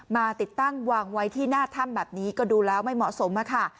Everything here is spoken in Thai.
ติดตั้งวางไว้ที่หน้าถ้ำแบบนี้ก็ดูแล้วไม่เหมาะสมค่ะ